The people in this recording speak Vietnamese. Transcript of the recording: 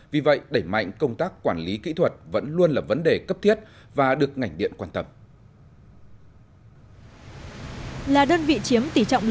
vì vậy đẩy mạnh công tác quản lý kỹ thuật vẫn luôn là vấn đề cấp thiết và được ngành điện quan tâm